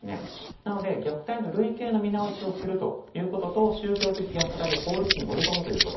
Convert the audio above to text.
なので、虐待の類型の見直しをするということと宗教的虐待を法律に盛り込むこと。